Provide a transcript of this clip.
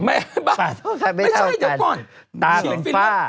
ไม่ใช่เดี๋ยวก่อน